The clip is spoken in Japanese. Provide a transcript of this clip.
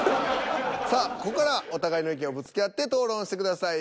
さあここからお互いの意見をぶつけ合って討論してください。